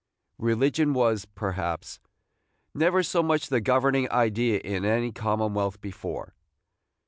Religion was, perhaps, never so much the governing idea in any Commonwealth before.